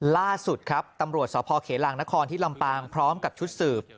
ล่าสุดครับตำรวจสพเขลางนครที่ลำปางพร้อมกับชุดสืบ